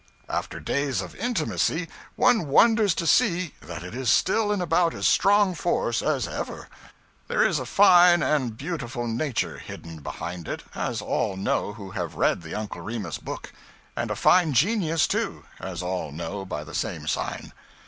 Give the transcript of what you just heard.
After days of intimacy one wonders to see that it is still in about as strong force as ever. There is a fine and beautiful nature hidden behind it, as all know who have read the Uncle Remus book; and a fine genius, too, as all know by the same sign.